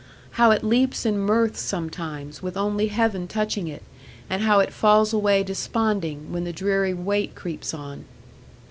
How it leaps in mirth sometimes, with only heaven touching it; and how it falls away desponding, when the dreary weight creeps on.